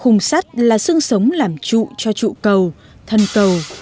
khung sắt là sưng sống làm trụ cho trụ cầu thân cầu